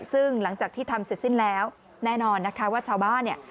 ซึ่งหลังจากที่ทำเสร็จสิ้นแล้วแน่นอนนะคะว่าชาวบ้านเนี่ย